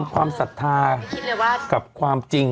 ความสัทธากับความจริง